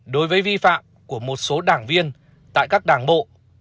một đối với vi phạm của một số đảng viên tại các đảng bộ